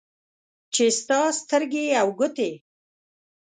چې ستا سترګې او ګوټې